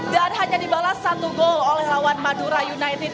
dan hanya dibalas satu gol oleh lawan madura united